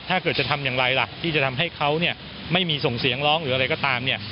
ถ้าเกิดจะทำอย่างไรล่ะที่จะทำให้เขาเนี่ยไม่มีส่งเสียงร้องหรืออะไรก็ตามเนี่ย